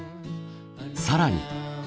更に。